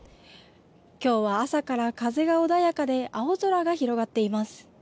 きょうは朝から風が穏やかで青空が広がっています。